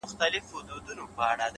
بدكارمو كړی چي وركړي مو هغو ته زړونه _